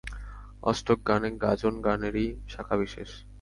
অষ্টকগান এ গাজন গানেরই শাখাবিশেষ।